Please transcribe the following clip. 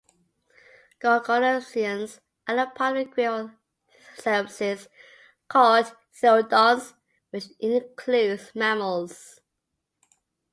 Gorgonopsians are a part of a group of therapsids called theriodonts, which includes mammals.